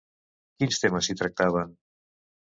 Quins temes s'hi tractaven?